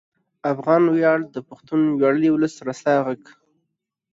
افغان ویاړ د پښتون ویاړلي ولس رسا غږ